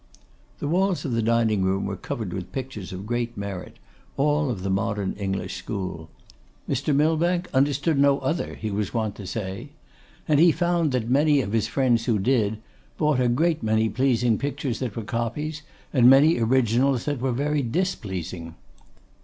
The walls of the dining room were covered with pictures of great merit, all of the modern English school. Mr. Millbank understood no other, he was wont to say! and he found that many of his friends who did, bought a great many pleasing pictures that were copies, and many originals that were very displeasing.